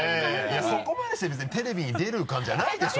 そこまでして別にテレビに出る感じじゃないでしょ？